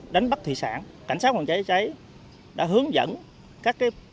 đánh bắt thủy sản cảnh sát phòng cháy cháy đã hướng dẫn các phương tiện